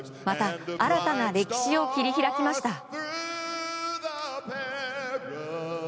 また新たな歴史を切り開きました。